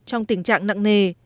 trong tình trạng nặng nề